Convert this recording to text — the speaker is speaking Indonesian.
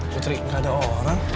putri gak ada orang